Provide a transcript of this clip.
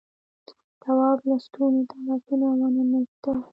تواب لستونو ته لاسونه وننه ایستل.